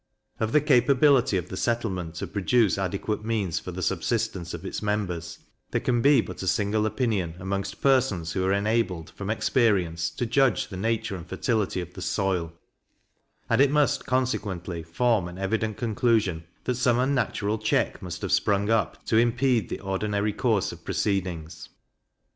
Of the capability of the settlement to produce adequate means for the subsistence of its members, there can be but a single opinion amongst persons who are enabled, from experience, to judge of the nature and fertility of the soil; and it must, consequently, form an evident conclusion, that some unnatural check must have sprung up to impede the ordinary course of proceedings.